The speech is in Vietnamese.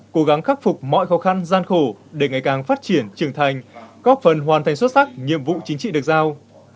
cố gắng khắc phục mọi khó khăn gian khổ để ngày càng phát triển trưởng thành góp phần hoàn thành xuất sắc nhiệm vụ chính trị được giao